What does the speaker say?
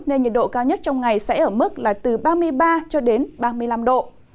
nên nhiệt độ cao nhất trong ngày sẽ ở mức là từ ba mươi ba cho đến ba mươi năm độ